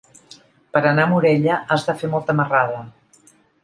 Per anar a Morella has de fer molta marrada.